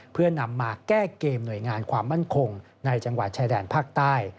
เพื่อนำมาแก้เกมหน่วยงานความมั่นคงในจังหวัดชายแดนภาคใต้